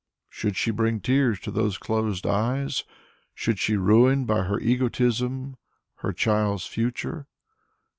Should she bring tears to those clear eyes? Should she ruin by her egotism "her child's" future?